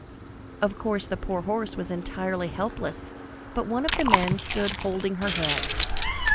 Of course, the poor horse was entirely helpless, but one of the men stood holding her head.